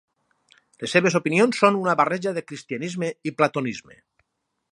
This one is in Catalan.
Les seves opinions són una barreja de cristianisme i platonisme.